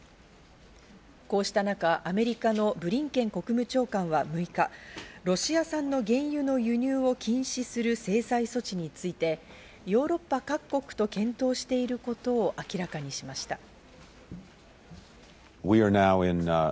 こうした中、アメリカのブリンケン国務長官は６日、ロシア産の原油の輸入を禁止する制裁措置についてヨーロッパ各国と検討していることを明らかにしました。